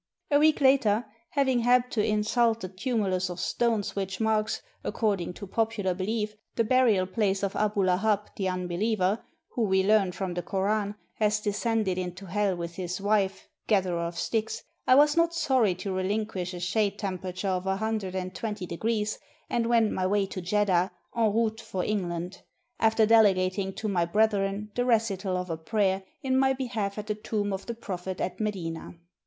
A week 1 Sir Richard posed as a native of .\fghanistan. 541 ARABIA later, having helped to insult the tumulus of stones which marks, according to popular belief, the burial place of Abulahab, the unbeliever, who we learn from the Koran, has descended into hell with his wife, gatherer of sticks, I was not sorry to relinquish a shade tempera ture of 120° and wend my way to Jeddah en route for England, after delegating to my brethren the recital of a prayer in my behalf at the Tomb of the Prophet at Medina.